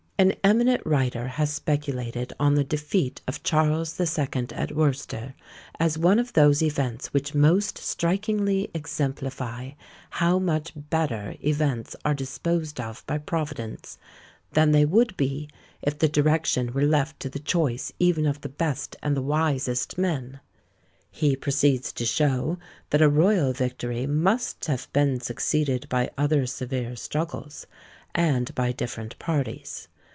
An eminent writer has speculated on the defeat of Charles the Second at Worcester, as "one of those events which most strikingly exemplify how much better events are disposed of by Providence, than they would be if the direction were left to the choice even of the best and the wisest men." He proceeds to show, that a royal victory must have been succeeded by other severe struggles, and by different parties.